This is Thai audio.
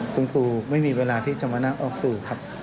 คุณครูไม่มีเวลาที่จะมานั่งออกสื่อครับ